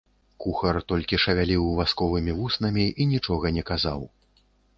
Кухар толькі шавяліў васковымі вуснамі і нічога не казаў.